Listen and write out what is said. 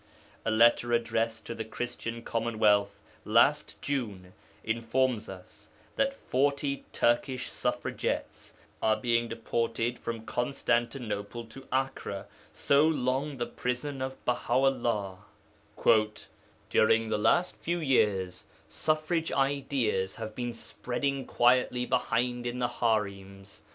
A letter addressed to the Christian Commonwealth last June informs us that forty Turkish suffragettes are being deported from Constantinople to Akka (so long the prison of Baha 'ullah): '"During the last few years suffrage ideas have been spreading quietly behind in the harems.